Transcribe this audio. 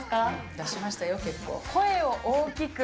出しましたよ、結構。